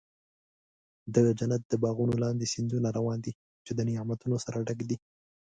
د جنت د باغونو لاندې سیندونه روان دي، چې د نعمتونو سره ډک دي.